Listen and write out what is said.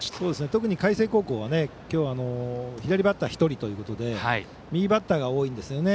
特に海星高校は左バッター１人ということで右バッターが多いんですよね。